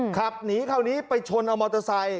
ขับหนีเข้านี้ไปชนมอเตอร์ไซค์